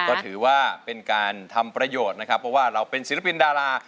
ก็ถือว่าเป็นการทำประโยชน์นะครับเพราะว่าเราเป็นศิลปินดารา